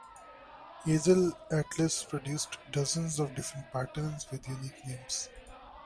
Hazel-Atlas produced dozens of different patterns, with unique names.